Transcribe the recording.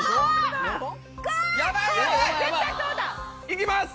行きます！